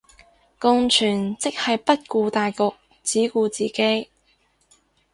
共存即係不顧大局只顧自己